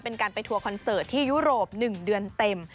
เป็นการไปทัวร์คอนเสิร์ตที่ยุโรป๑เดือนเต็ม